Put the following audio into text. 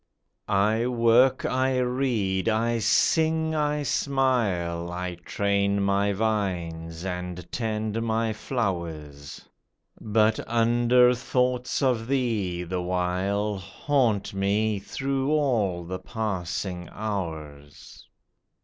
I work, 1 read, I sing, I smile, I train my vines and tend my flowers ; But under thoughts of thee, the while, Haunt me through all the passing hours.